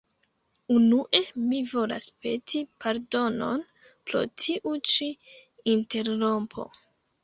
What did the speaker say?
Unue mi volas peti pardonon pro tiu ĉi interrompo